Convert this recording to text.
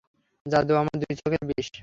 জাদু আমার দুই চোখের বিষ।